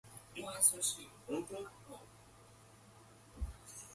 It was the first time Labor was in government with the Liberals winning Mitchell.